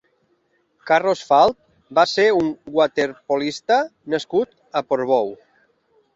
Carlos Falt va ser un waterpolista nascut a Portbou.